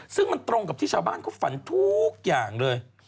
ซึ่งมันตรงกับที่ชาวบ้านเขาฝันทุกอย่างเลย